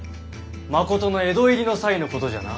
真琴の江戸入りの際のことじゃな？